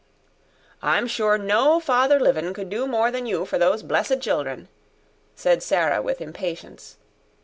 "I'm sure no father livin' could do more than you for those blessed children," said Sarah with impatience.